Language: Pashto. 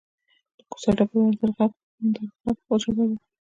د کوڅه ډب او اندرغړب ژبه ده.